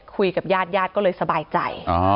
คุยกับญาติญาติก็เลยสบายใจ